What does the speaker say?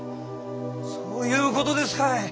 そういうことですかい！